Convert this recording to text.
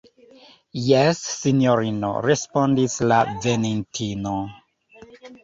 Jes, sinjorino, respondis la venintino.